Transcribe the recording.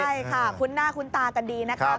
ใช่ค่ะคุ้นหน้าคุ้นตากันดีนะครับ